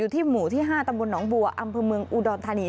ที่หมู่ที่๕ตำบลหนองบัวอำเภอเมืองอุดรธานี